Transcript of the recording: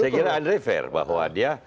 saya kira andre fair bahwa dia